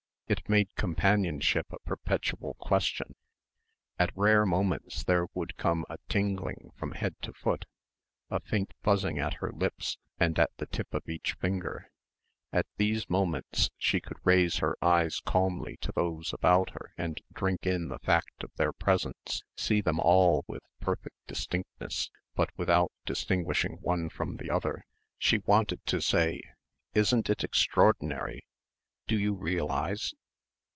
It made companionship a perpetual question. At rare moments there would come a tingling from head to foot, a faint buzzing at her lips and at the tip of each finger. At these moments she could raise her eyes calmly to those about her and drink in the fact of their presence, see them all with perfect distinctness, but without distinguishing one from the other. She wanted to say, "Isn't it extraordinary? Do you realise?"